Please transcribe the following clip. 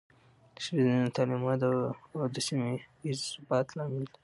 د ښځینه تعلیم وده د سیمه ایز ثبات لامل ده.